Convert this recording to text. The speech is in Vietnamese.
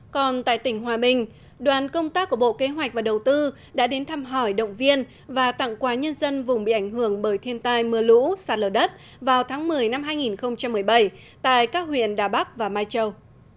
còn tại tỉnh hòa bình đoàn công tác của bộ kế hoạch và đầu tư đã đến thăm hỏi động viên và tặng quà nhân dân vùng bị ảnh hưởng bởi thiên tai mưa lũ sạt lở đất vào tháng một mươi năm hai nghìn một mươi bảy tại các huyện đà bắc và mai châu